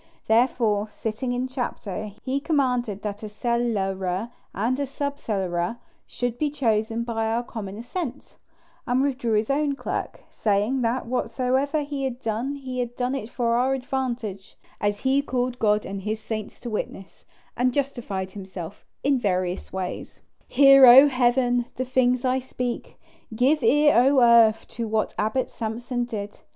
Therefore, sitting in chapter, he commanded that a cellarer and sub cellarer should be chosen by our common assent, and withdrew his own clerk, saying, that whatsoever he had done he had done it for our advantage, as he called God and his saints to witness, and justified himself in various ways. "Hear, O Heaven!" the things that I speak; "give ear, O earth!" to what Abbot Samson did.